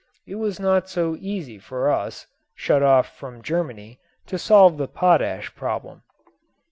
It was not so easy for us shut off from Germany to solve the potash problem.